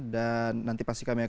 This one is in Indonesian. dan nanti pasti kami akan membahas